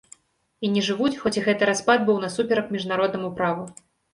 І не жывуць, хоць і гэты распад быў насуперак міжнароднаму праву.